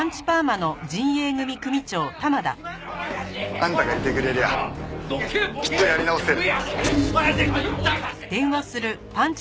あんたがいてくれりゃきっとやり直せる。